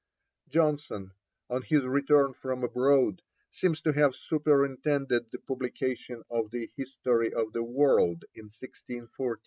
Jonson, on his return from abroad, seems to have superintended the publication of the History of the World in 1614.